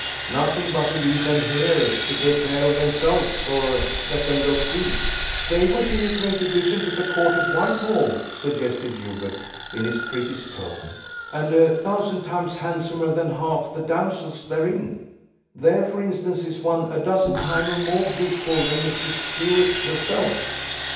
"Nothing, but to leave then here to take care of themselves, or let them go free." "They would be a great addition to the court at Whitehall," suggested Hubert, in his prettiest tone, "and a thousand times handsomer than half the damsels therein. There, for instance, is one a dozen timer more beautiful than Mistress Stuart herself!"